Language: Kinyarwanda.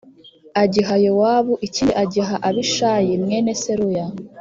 agiha Yowabu ikindi agiha Abishayi mwene Seruya